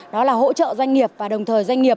đó là hỗ trợ doanh nghiệp và đồng thời doanh nghiệp